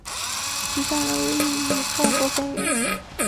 其象征意义众说纷纭。